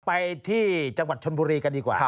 ไปที่จังหวัดชนบุรีกันดีกว่า